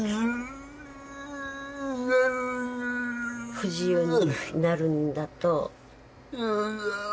「不自由になるんだと」